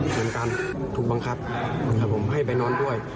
เหมือนกันถูกบังคับให้ไปนอนด้วย